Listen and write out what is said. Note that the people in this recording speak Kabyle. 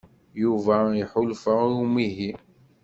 Yuba iḥulfa i umihi.